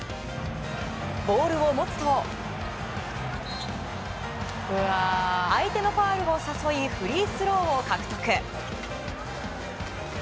ボールを持つと相手のファウルを誘いフリースローを獲得。